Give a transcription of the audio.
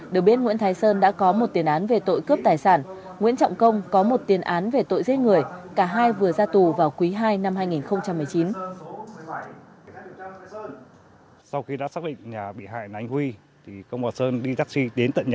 được biết nguyễn thái sơn đã có một tiền án về tội cướp tài sản nguyễn trọng công có một tiền án về tội giết người cả hai vừa ra tù vào quý ii năm hai nghìn một mươi chín